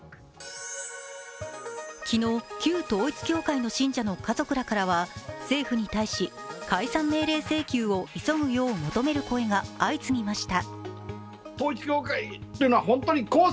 昨日、旧統一教会の信者の家族らからは政府に対し解散命令請求を急ぐよう求める声が相次ぎました。